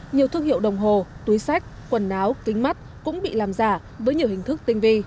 nhiều thương hiệu đồng hồ túi sách quần áo kính mắt cũng bị làm giả với nhiều hình thức tinh vi